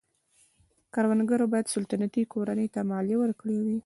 کروندګرو باید سلطنتي کورنۍ ته مالیه ورکړې وای.